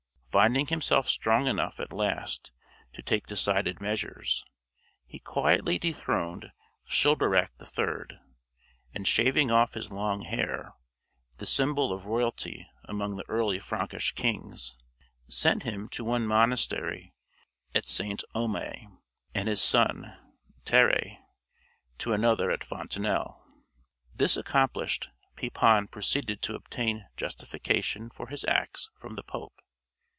Finding himself strong enough at last to take decided measures, he quietly dethroned Childeric III.; and shaving off his long hair, the symbol of royalty among the early Frankish kings, sent him to one monastery at St. Omer, and his son Thierry to another at Fontenelle. This accomplished, Pepin proceeded to obtain justification for his acts from the Pope.